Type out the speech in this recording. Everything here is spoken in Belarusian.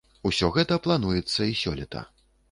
Усё гэта плануецца і сёлета.